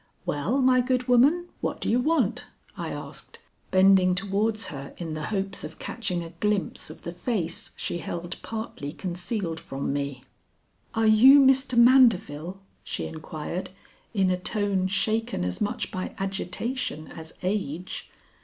"Well, my good woman, what do you want?" I asked, bending towards her in the hopes of catching a glimpse of the face she held partly concealed from me. "Are you Mr. Mandeville?" she inquired in a tone shaken as much by agitation as age.